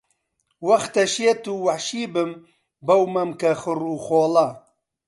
وەختە شێت و وەحشی بم بەو مەمکە خڕ و خۆڵە